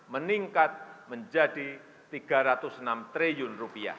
meningkat menjadi rp tiga ratus enam triliun